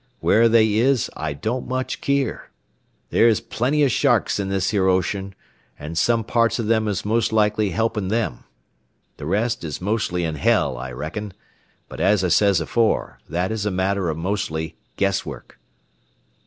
Where they is I don't much keer. They is plenty o' sharrucks in this here ocean, and some parts o' them is most likely helpin' them. The rest is mostly in hell, I reckon, but as I says afore, that is a matter o' mostly guesswork."